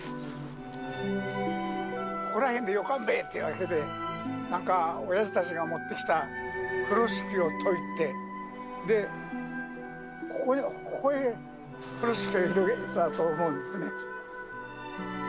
ここら辺でよかんべってなって、なんか、おやじたちが持ってきた風呂敷を解いて、で、ここで風呂敷を広げたと思うんですね。